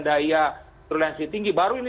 daya turnasi tinggi baru ini